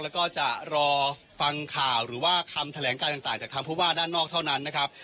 แล้วก็จะรอฟังข่าวหรือว่าคำแถลงการต่างจากทางผู้ว่าด้านนอกเท่านั้นนะครับ